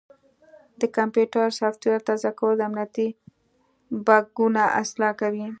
د کمپیوټر سافټویر تازه کول امنیتي بګونه اصلاح کوي.